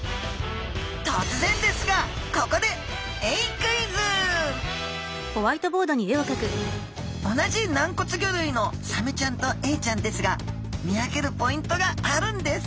とつぜんですがここで同じ軟骨魚類のサメちゃんとエイちゃんですが見分けるポイントがあるんです。